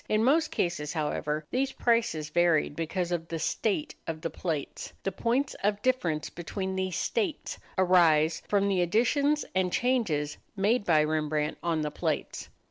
In most cases, however, these prices varied because of the "state" of the plates. The points of difference between these "states" arise from the additions and changes made by Rembrandt on the plates.